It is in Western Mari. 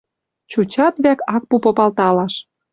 Чучат вӓк ак пу попалталаш.